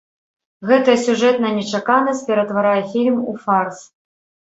Гэтая сюжэтная нечаканасць ператварае фільм у фарс.